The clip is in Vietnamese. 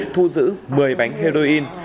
thu giữ một mươi bánh heroin